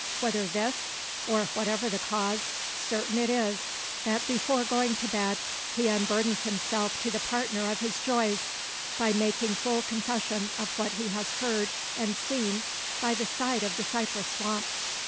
Whether this, or whatever the cause, certain it is, that before going to bed, he unburdens himself to the partner of his joys, by making full confession of what he has heard and seen by the side of the cypress swamp.